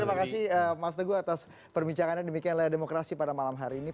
terima kasih mas teguh atas perbincangannya demikian layar demokrasi pada malam hari ini